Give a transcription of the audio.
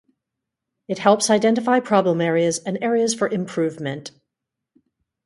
It helps identify problem areas and areas for improvement.